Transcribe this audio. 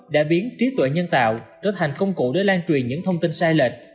đã biến trí tuệ nhân tạo trở thành công cụ để lan truyền những thông tin sai lệch